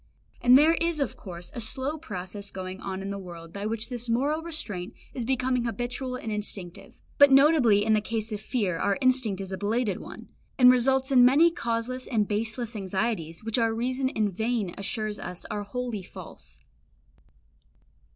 And there is of course a slow process going on in the world by which this moral restraint is becoming habitual and instinctive; but notably in the case of fear our instinct is a belated one, and results in many causeless and baseless anxieties which our reason in vain assures us are wholly false.